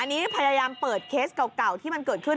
อันนี้พยายามเปิดเคสเก่าที่มันเกิดขึ้น